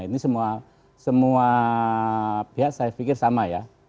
ini semua pihak saya pikir sama ya